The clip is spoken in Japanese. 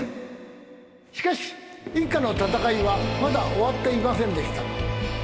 しかし一家の闘いはまだ終わっていませんでした。